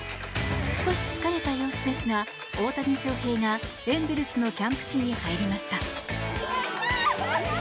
少し疲れた様子ですが大谷翔平がエンゼルスのキャンプ地に入りました。